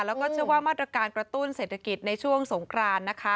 แล้วก็เชื่อว่ามาตรการกระตุ้นเศรษฐกิจในช่วงสงครานนะคะ